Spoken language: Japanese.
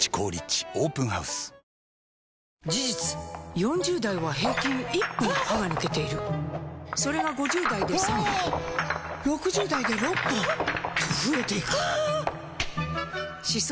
４０代は平均１本歯が抜けているそれが５０代で３本６０代で６本と増えていく歯槽